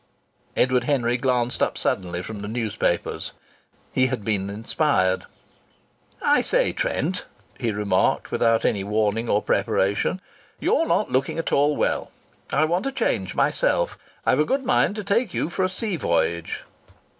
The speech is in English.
Edward Henry glanced up suddenly from the newspaper. He had been inspired. "I say, Trent," he remarked, without any warning or preparation, "you're not looking at all well. I want a change myself. I've a good mind to take you for a sea voyage."